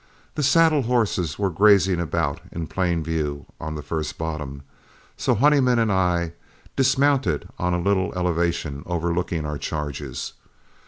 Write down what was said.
The saddle horses were grazing about in plain view on the first bottom, so Honeyman and I dismounted on a little elevation overlooking our charges.